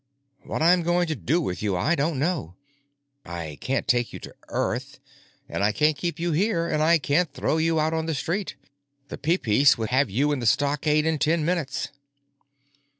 "What I'm going to do with you I don't know. I can't take you to Earth, and I can't keep you here, and I can't throw you out on the street—the Peepeece would have you in the stockade in ten minutes."